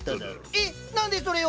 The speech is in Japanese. え何でそれを？